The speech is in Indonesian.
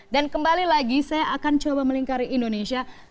dan kembali lagi saya akan coba melingkari indonesia